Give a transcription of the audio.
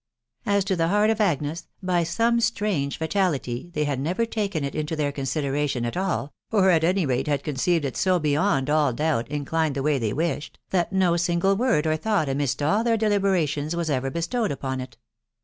As to the heart of Agnes, by some strange fatality they had never taken it into their consideration at all, or at any rate had conceived it so beyond all doubt inclined the way they wished, that no single word or thought amidst all their deliberations was ever bestowed upon it.